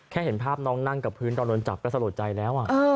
เห็นภาพน้องนั่งกับพื้นตอนโดนจับก็สลดใจแล้ว